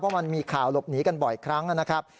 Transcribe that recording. เพราะมันมีข่าวหลบหนีกันบ่อยครั้งนะครับ